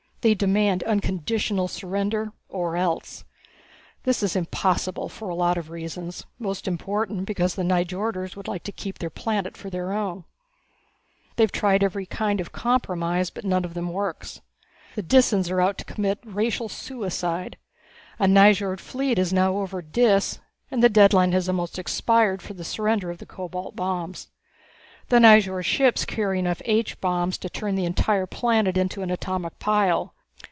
They demand unconditional surrender, or else. This is impossible for a lot of reasons most important, because the Nyjorders would like to keep their planet for their very own. They have tried every kind of compromise but none of them works. The Disans are out to commit racial suicide. A Nyjord fleet is now over Dis and the deadline has almost expired for the surrender of the cobalt bombs. The Nyjord ships carry enough H bombs to turn the entire planet into an atomic pile.